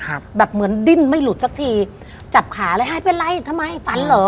แบบเหมือนดิ้นไม่หลุดสักทีจับขาเลยหายเป็นไรทำไมฝันเหรอ